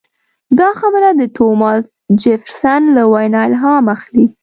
دا خبره د توماس جفرسن له وینا الهام اخلي.